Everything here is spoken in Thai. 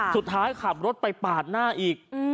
สุดท้ายขับรถไปปาดหน้าอีก